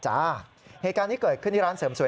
เหตุการณ์นี้เกิดขึ้นที่ร้านเสริมสวย